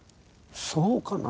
そうかな？